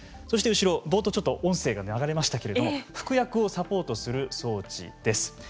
そして後ろ冒頭ちょっと音声が流れましたけれども服薬をサポートする装置です。